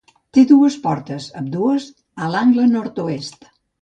Té dues portes, ambdues a l'angle Nord-oest.